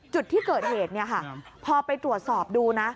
จุดที่เกิดเหตุเนี่ยค่ะพอไปตรวจสอบดูนะ